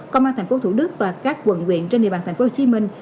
công an thành phố thủ đức và các quận quyện trên địa bàn thành phố hồ chí minh